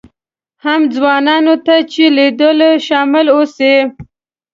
هم ځوانانو ته چې لیدلوري شامل اوسي.